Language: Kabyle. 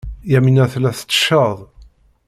Yamina tella tettecceḍ.